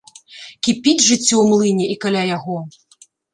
Кіпіць жыццё ў млыне і каля яго.